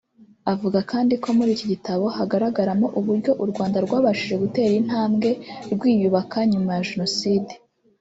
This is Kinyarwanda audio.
Avuga kandi ko muri iki gitabo hagaragaramo uburyo u Rwanda rwabashije gutera intambwe rwiyubaka nyuma ya Jenoside